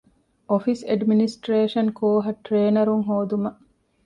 އޮފީސް އެޑްމިނިސްޓްރޭޝަން ކޯހަށް ޓްރޭނަރުން ހޯދުމަށް